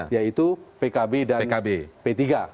yaitu pkb dan p tiga